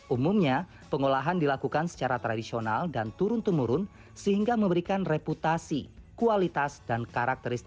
umumnya pengolahan dilakukan secara tradisional dan turun temurun sehingga memberikan reputasi kualitas dan karakteristik